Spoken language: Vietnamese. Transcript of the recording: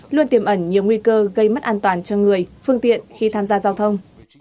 luôn tiềm ẩn nhiều nguy cơ gây mất an toàn cho người phương tiện khi tham gia giao thông